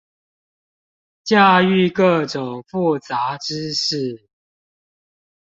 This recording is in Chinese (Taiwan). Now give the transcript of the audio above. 駕馭各種複雜知識